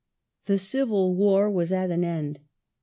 The Civil War was at an end.